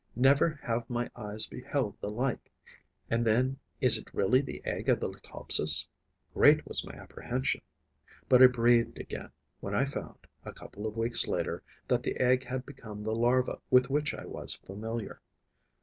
Never have my eyes beheld the like; and then is it really the egg of the Leucopsis? Great was my apprehension. But I breathed again when I found, a couple of weeks later, that the egg had become the larva with which I was familiar.